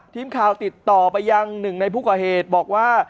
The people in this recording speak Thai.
ทีมข่าวติดต่อไปยังหนึ่งในผู้ก่อเหตุบอกว่า